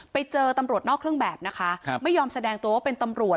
ไปเจอตำรวจนอกเครื่องแบบนะคะไม่ยอมแสดงตัวว่าเป็นตำรวจ